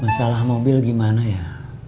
masalah mobil gimana ya